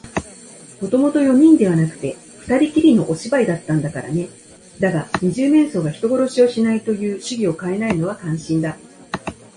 もともと四人ではなくて、ふたりきりのお芝居だったんだからね。だが、二十面相が人殺しをしないという主義をかえないのは感心だ。